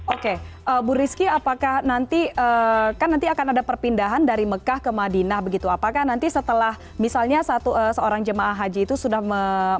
oke bu rizky apakah nanti kan nanti akan ada perpindahan dari mekah ke madinah begitu apakah nanti setelah misalnya seorang jemaah haji itu sudah